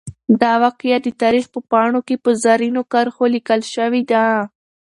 دا واقعه د تاریخ په پاڼو کې په زرینو کرښو لیکل شوې ده.